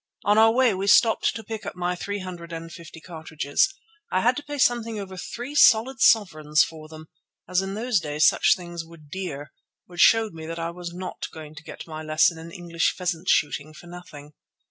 On our way we stopped to pick up my three hundred and fifty cartridges. I had to pay something over three solid sovereigns for them, as in those days such things were dear, which showed me that I was not going to get my lesson in English pheasant shooting for nothing.